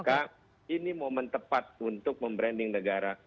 maka ini momen tepat untuk membranding negara